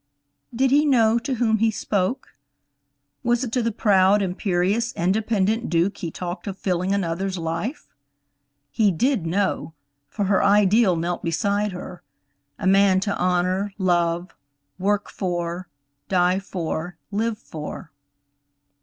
Did he know to whom he spoke? Was it to the proud, imperious, independent Duke he talked of filling another's life? He did know, for her ideal knelt beside her; a man to honor, love, work for, die for, live for.